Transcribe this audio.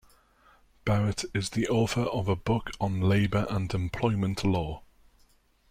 Barrett is the author of a book on labor and employment law.